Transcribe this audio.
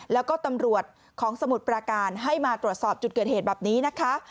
แล้วก็ตำรวจของสมุทรปราการให้มาตรวจสอบจุดเกิดเหตุแบบนี้นะคะ